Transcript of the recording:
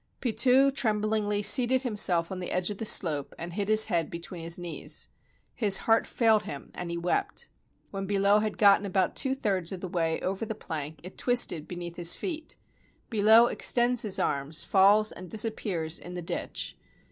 Pitou trembhngly seated himself on the edge of the slope and hid his head between his knees. His heart failed him, and he wept. When Billot had got about two thirds of the way over the plank, it twisted beneath his feet. Billot extends his arms, falls, and dis appears in the ditch.